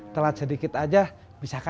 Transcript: telat sedikit aja bisa kalah